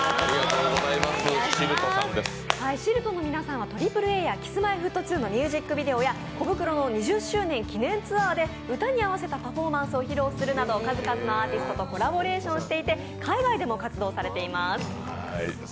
ＳＩＬＴの皆さんはＡＡＡやＫｉｓ−Ｍｙ−Ｆｔ２のミュージックビデオやコブクロの２０周年記念ツアーで歌に合わせたパフォーマンスを披露するなど、数々のアーティストとコラボレーションしていて海外でも活動されています。